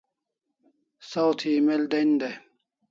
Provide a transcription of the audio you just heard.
Saw thi email den dai